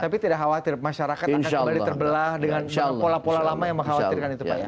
tapi tidak khawatir masyarakat akan kembali terbelah dengan pola pola lama yang mengkhawatirkan itu pak ya